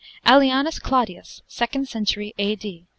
AELIANUS CLAUDIUS (Second Century A.